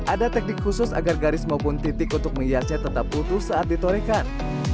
ada teknik khusus agar garis maupun titik untuk menghiasnya tetap putus saat ditorekan